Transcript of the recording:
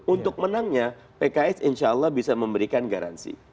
untuk menangnya pks insya allah bisa memberikan garansi